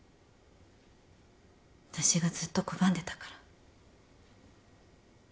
私がずっと拒んでたから。